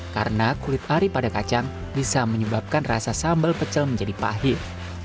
karena kulit ari pada kacang bisa menyebabkan rasa sambal pecel menjadi pahit